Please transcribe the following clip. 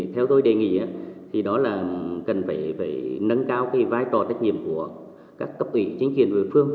theo tôi đề nghị thì đó là cần phải nâng cao vai trò trách nhiệm của các cấp ủy chính quyền địa phương